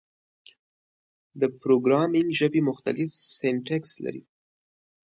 د پروګرامینګ ژبې مختلف سینټکس لري.